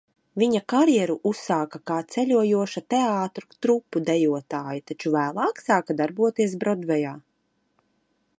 Viņa karjeru uzsāka kā ceļojoša teātra trupu dejotāja, taču vēlāk sāka darboties Brodvejā.